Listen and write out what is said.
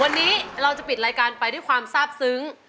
วันนี้เราจะปิดรายการไปด้วยความทราบซึ้ง